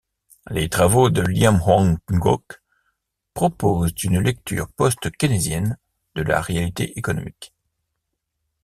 Les travaux de Liêm Hoang-Ngoc proposent une lecture post-keynésienne de la réalité économique.